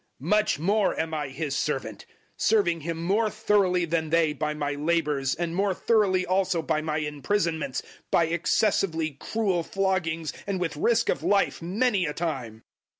Much more am I His servant; serving Him more thoroughly than they by my labours, and more thoroughly also by my imprisonments, by excessively cruel floggings, and with risk of life many a time.